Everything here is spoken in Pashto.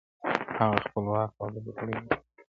هغه خپلواک او د بګړیو وطن٫